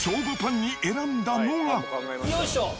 よいしょ。